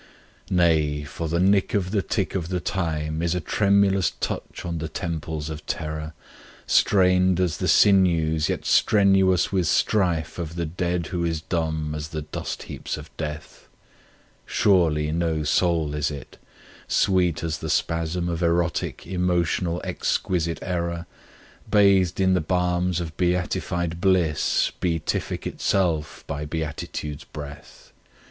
Nay, for the nick of the tick of the time is a tremulous touch on the temples of terror, Strained as the sinews yet strenuous with strife of the dead who is dumb as the dust heaps of death; Surely no soul is it, sweet as the spasm of erotic emotional exquisite error, Bathed in the balms of beatified bliss, beatific itself by beatitude's breath.